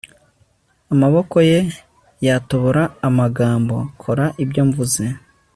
amaboko ye yatobora amagambo, kora ibyo mvuze